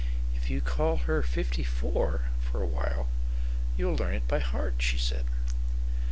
"If you call her 'Fifty four' for a while, you 'll learn it by heart," she said.